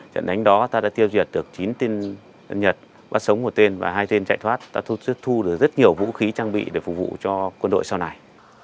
trận đánh đó ta đã tiêu diệt được chín tên nhật và sống một tên và hai tên chạy thoát đã thu được rất nhiều vũ khí trang bị để phục vụ cho quân đội sau này